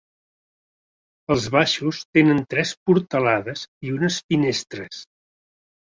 Els baixos tenen tres portalades i unes finestres.